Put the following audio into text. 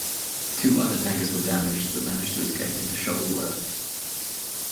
Two other tankers were damaged but managed to escape into shoal water.